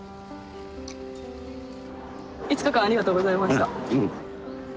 ５日間ありがとうございました。